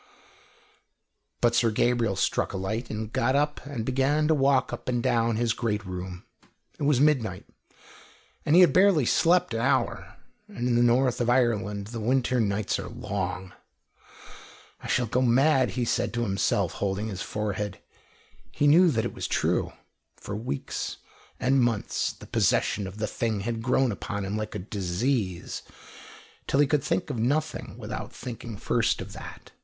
But Sir Gabriel struck a light and got up and began to walk up and down his great room. It was midnight, and he had barely slept an hour, and in the north of Ireland the winter nights are long. "I shall go mad," he said to himself, holding his forehead. He knew that it was true. For weeks and months the possession of the thing had grown upon him like a disease, till he could think of nothing without thinking first of that.